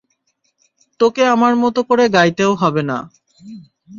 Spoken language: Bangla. তোকে আমার মতো করে গাইতেও হবে না।